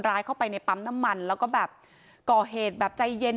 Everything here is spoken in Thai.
เข้าไปในปั๊มน้ำมันแล้วก็แบบก่อเหตุแบบใจเย็น